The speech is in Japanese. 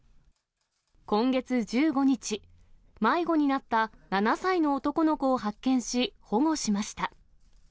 今月１５日、迷子になった７歳の男の子を発見し、保護しました。